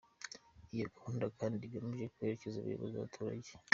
Iyo gahunda kandi igamije kwegereza ubuyobozi abaturage.